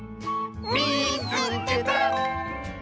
「みいつけた！」。